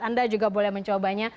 anda juga boleh mencobanya